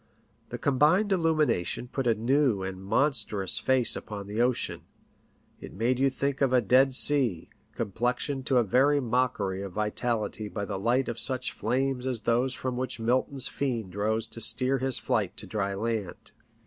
The com bined illumination put a new and monstrous face upon the ocean. It made you think of a dead sea, com plexioned to a very mockery of vitality by the light of such flames as those from which Milton's Fiend rose to steer his flight to dry land.